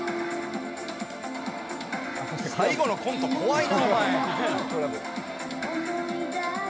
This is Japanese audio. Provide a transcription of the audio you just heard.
最後のコント怖いなお前。